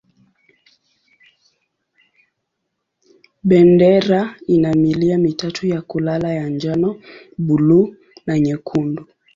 Bendera ina milia mitatu ya kulala ya njano, buluu na nyekundu.